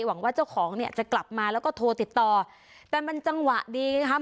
หวังว่าเจ้าของเนี่ยจะกลับมาแล้วก็โทรติดต่อแต่มันจังหวะดีนะครับ